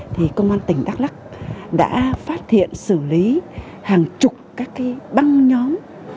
thì công an tỉnh đắk lắc đã phát hiện xử lý hàng chục các cái băng nhóm